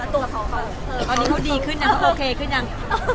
ตัวเขาตอนนี้เขาดีขึ้นยังเขาโอเคขึ้นยัง